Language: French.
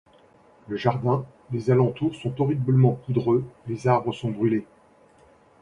Le jardin, les alentours sont horriblement poudreux, les arbres sont brûlés.